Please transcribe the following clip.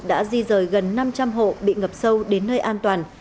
đã di rời gần năm trăm linh hộ bị ngập sâu đến nơi an toàn